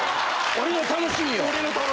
俺の楽しみを。